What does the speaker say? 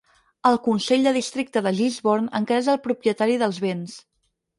El consell de districte de Gisborne encara és el propietari dels béns.